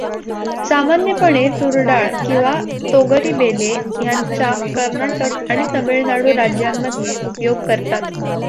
सामान्यपणे तूर डाळ किंवा तोगरि बेले ह्यांचा कर्नाटक आणि तमिळ नाडू राज्यांमध्ये उपयोग करतात.